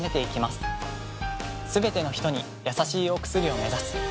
すべてのひとにやさしいお薬を目指す。